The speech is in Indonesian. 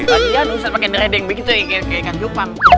iya ustadz pake neret yang begitu kayak ikan jopang